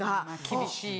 厳しい。